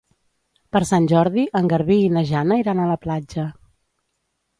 Per Sant Jordi en Garbí i na Jana iran a la platja.